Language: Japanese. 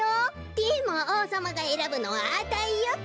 でもおうさまがえらぶのはあたいよべ！